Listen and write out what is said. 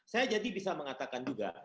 saya jadi bisa mengatakan juga